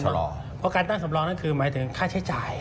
เพราะการตั้งสำรองนั่นคือหมายถึงค่าใช้จ่าย